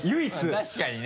確かにね。